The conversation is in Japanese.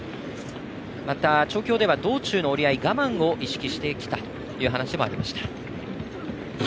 また、調教では道中の折り合い我慢を意識してきたという話もありました。